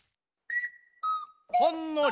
ほんのり？